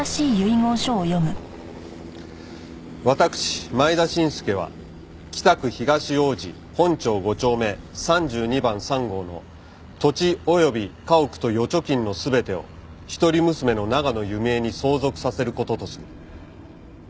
「私前田伸介は北区東王子本町五丁目三十二番三号の土地及び家屋と預貯金の全てを一人娘の長野弓枝に相続させることとする」